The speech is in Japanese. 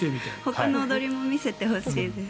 ほかの踊りも見せてほしいです。